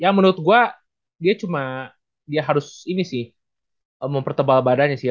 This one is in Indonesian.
ya menurut gue dia cuma dia harus ini sih mempertebal badannya sih